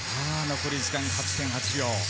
残り時間８．８秒。